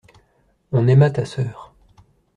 On aima ta sœur.